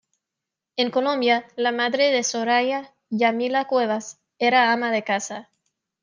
En Colombia, la madre de Soraya, Yamila Cuevas, era ama de casa.